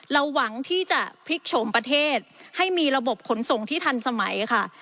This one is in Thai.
หวังที่จะพลิกโฉมประเทศให้มีระบบขนส่งที่ทันสมัยค่ะ